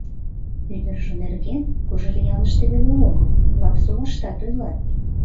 Ӱдыржӧ нерген Кожеръялыште веле огыл, Лапсолаштат ойлат.